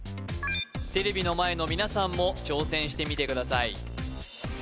テレビの前の皆さんも挑戦してみてください